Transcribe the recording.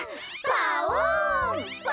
パオン！